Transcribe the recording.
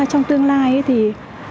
trong tương lai thì